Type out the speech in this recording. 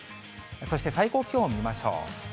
そして最高気温を見ましょう。